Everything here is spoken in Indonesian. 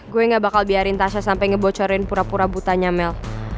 gue gak bakal biarin tasnya sampai ngebocorin pura pura butanya mel